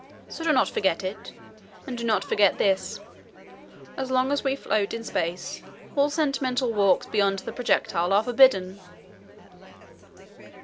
So do not regret it, and do not forget this—as long as we float in space, all sentimental walks beyond the projectile are forbidden."